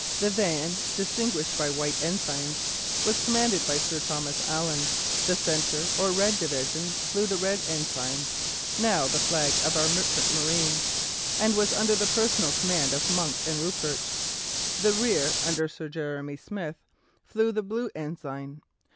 The van, distinguished by white ensigns, was commanded by Sir Thomas Allen; the centre, or red division, flew the red ensign (now the flag of our merchant marine), and was under the personal command of Monk and Rupert; the rear, under Sir Jeremy Smith, flew the blue ensign.